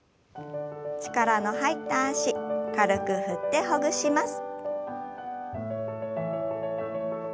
力の入った脚軽く振ってほぐします。